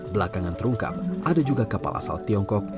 belakangan terungkap ada juga kapal asal tiongkok